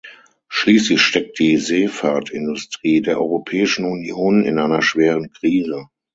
Schließlich steckt die Seefahrtindustrie der Europäischen Union in einer schweren Krise.